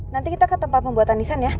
nanti kita ke tempat pembuatan nisan ya